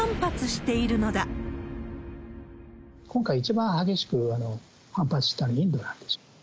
今回、一番激しく反発したのは、インドなんですよ。